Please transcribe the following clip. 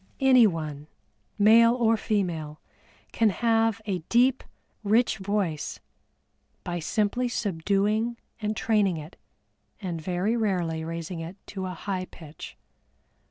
Anyone, male or female, can have a deep, rich voice by simply subduing and training it, and very rarely raising it to a high pitch.